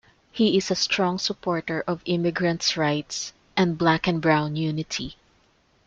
He is a strong supporter of immigrants rights, and black and brown unity.